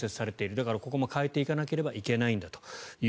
だからここも変えていかなければいけないんだと。